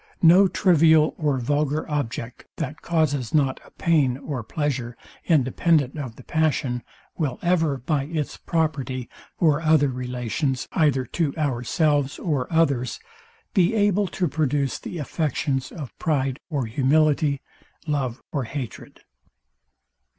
No trivial or vulgar object, that causes not a pain or pleasure, independent of the passion, will ever, by its property or other relations either to ourselves or others, be able to produce the affections of pride or humility, love or hatred.